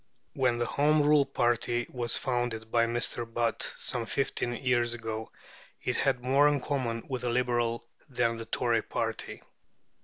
When the Home Rule party was founded by Mr. Butt, some fifteen years ago, it had more in common with the Liberal than with the Tory party.